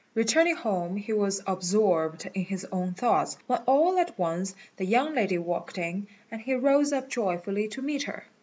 Returning home he was absorbed in his own thoughts, when all at once the young lady walked in, and he rose up joyfully to meet her.